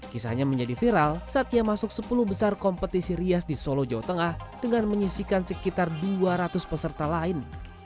kisahnya menjadi viral saat ia masuk sepuluh besar kompetisi rias di solo jawa tengah dengan menyisikan sekitar dua ratus peserta lain